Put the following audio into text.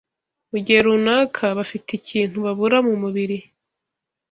mu gihe runaka bafite ikintu babura mu mubiri